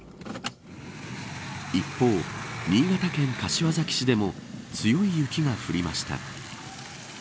一方、新潟県柏崎市でも強い雪が降りました。